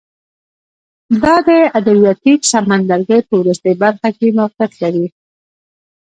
دا د ادریاتیک سمندرګي په وروستۍ برخه کې موقعیت لري